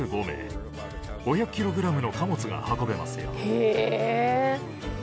へえ。